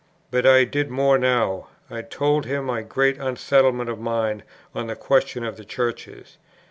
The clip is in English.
But I did more now; I told him my great unsettlement of mind on the question of the Churches.